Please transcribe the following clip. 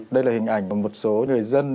đây là hình ảnh của một số người dân